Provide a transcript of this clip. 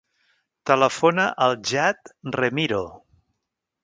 Telefona al Jad Remiro.